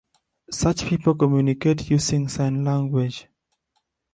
Such people communicate using sign language.